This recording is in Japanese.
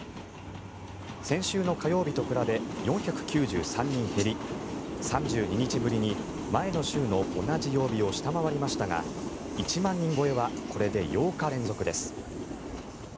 先週の火曜日と比べ４９３人減り３２日ぶりに前の週の同じ曜日を下回りましたが１万人超えはこれで８日連続です。